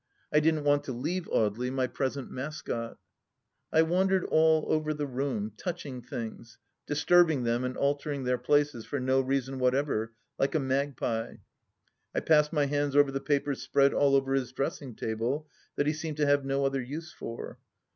I didn't want to leave Audely, my present mascot. ..• I wandered all over the room, touching things, disturbing them and altering their places, for no reason whatever, like a magpie. I passed my hands over the papers spread all over his dressing table that he seemed to have no other use for.